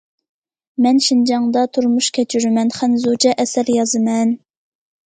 مەن شىنجاڭدا تۇرمۇش كەچۈرىمەن، خەنزۇچە ئەسەر يازىمەن.